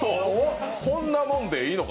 こんなもんでいいんだ